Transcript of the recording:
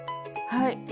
はい。